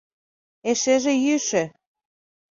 Эшеже — йӱшӧ.